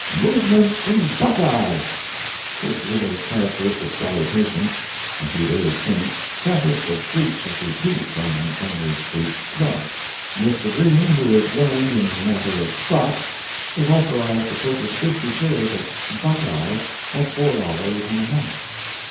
"Movement in 'Buckeye.'" This little characteristic salutation, a few days since, prefaced a breach of the peace on Montgomery street, thus: Mr. Green, who is learned in the matter of stocks, was authorized to purchase fifty shares of "Buckeye" at four dollars and a half.